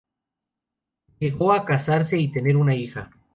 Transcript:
Llegó a casarse y tener una hija.